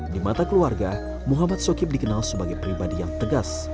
di mata keluarga muhammad sokip dikenal sebagai pribadi yang tegas